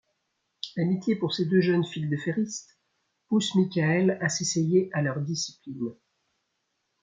L'amitié pour ces deux jeunes fildeféristes pousse Michael à s'essayer à leur discipline...